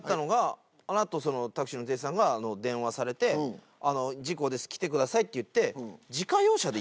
あの後タクシーの運転手さんが電話されて「事故です来てください」っていって。